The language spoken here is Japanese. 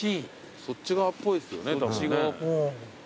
そっち側っぽいっすよね。